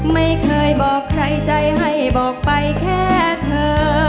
ไม่เคยบอกใครใจให้บอกไปแค่เธอ